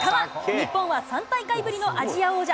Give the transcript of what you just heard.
日本は３大会ぶりのアジア王者。